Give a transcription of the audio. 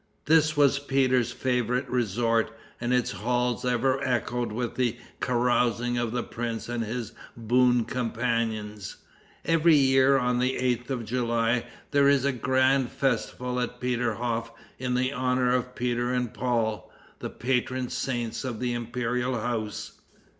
This was Peter's favorite resort, and its halls ever echoed with the carousings of the prince and his boon companions. Every year, on the 8th of July, there is a grand festival at Peterhof in honor of Peter and Paul, the patron saints of the imperial house.